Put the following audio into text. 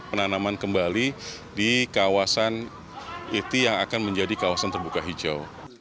penanaman kembali di kawasan itu yang akan menjadi kawasan terbuka hijau